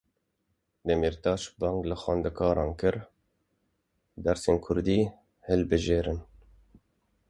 Demîrtaş bang li xwendekaran kir: Dersên Kurdî hilbijêrin.